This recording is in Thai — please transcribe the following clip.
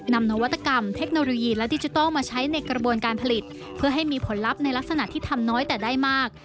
นวัตกรรมเทคโนโลยีและดิจิทัลมาใช้ในกระบวนการผลิตเพื่อให้มีผลลัพธ์ในลักษณะที่ทำน้อยแต่ได้มาก